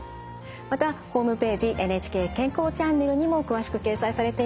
またホームページ「ＮＨＫ健康チャンネル」にも詳しく掲載されています。